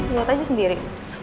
lihat aja sendiri